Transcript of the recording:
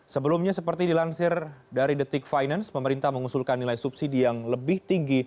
sebelumnya seperti dilansir dari detik finance pemerintah mengusulkan nilai subsidi yang lebih tinggi